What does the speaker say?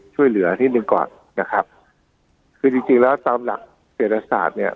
ช่วยเหลืออาทิตย์นึงก่อนนะครับคือที่จริงแล้วตามหลักเกรกศาสตร์เนี้ย